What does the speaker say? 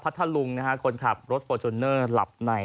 พัทธลุงคนขับรถฟอร์จุนเนอร์หลับใน